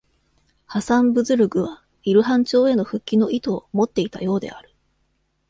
ハサン・ブズルグは、イルハン朝への復帰の意図を持っていたようである。